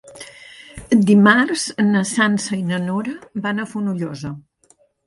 Dimarts na Sança i na Nora van a Fonollosa.